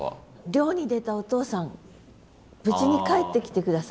漁に出たお父さん無事に帰ってきて下さい。